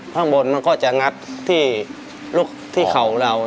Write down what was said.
ข้างบนมันก็จะงัดที่เข่าเรา